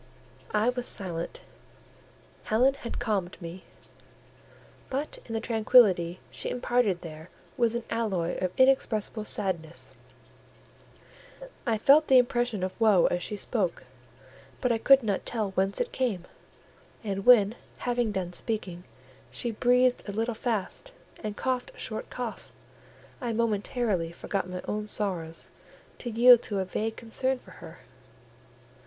I was silent; Helen had calmed me; but in the tranquillity she imparted there was an alloy of inexpressible sadness. I felt the impression of woe as she spoke, but I could not tell whence it came; and when, having done speaking, she breathed a little fast and coughed a short cough, I momentarily forgot my own sorrows to yield to a vague concern for her.